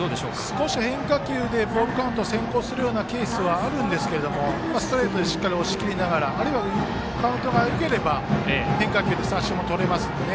少し変化球でボールカウントが先行するようなケースはあるんですが、ストレートでしっかり押し切りながらあるいはカウントがよければ変化球で三振もとれますので。